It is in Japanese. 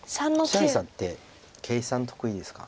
星合さんって計算得意ですか？